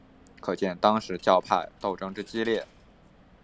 可见当时教派斗争之激烈。